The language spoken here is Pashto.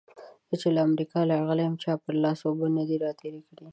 زه چې له امريکا راغلی يم؛ چا پر لاس اوبه نه دې راتېرې کړې.